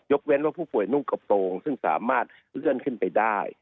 เว้นว่าผู้ป่วยนุ่งกระโปรงซึ่งสามารถเลื่อนขึ้นไปได้